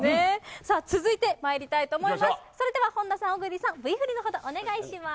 さあ続いてまいりたいと思います。